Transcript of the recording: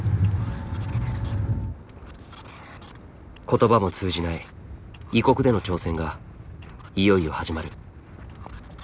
言葉も通じない異国での挑戦がいよいよ始まる。